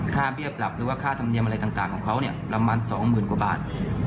เบี้ยปรับหรือว่าค่าธรรมเนียมอะไรต่างของเขาประมาณ๒๐๐๐กว่าบาท